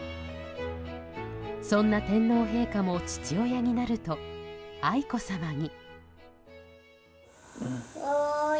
そんな天皇陛下も父親になると愛子さまに。